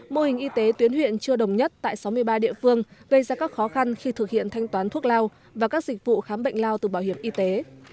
mô hình y tế tuyến huyện chưa đồng nhất tại sáu mươi ba địa phương gây ra các khó khăn khi thực hiện thanh toán thuốc lao và các dịch vụ khám bệnh lao từ bảo hiểm y tế